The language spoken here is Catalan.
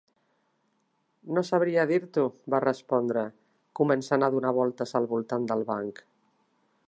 "No sabria dir-t'ho", va respondre, començant a donar voltes al voltant de banc.